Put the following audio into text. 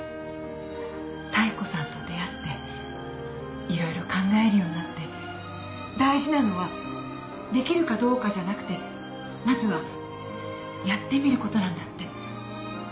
妙子さんと出会って色々考えるようになって大事なのはできるかどうかじゃなくてまずはやってみることなんだって。